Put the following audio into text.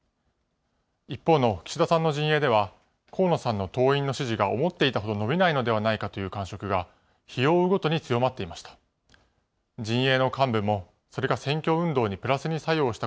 一方の岸田さんの陣営では、河野さんの党員の支持が思っていたほど伸びないのではないかという感触が、日を追うごとに強まっていました。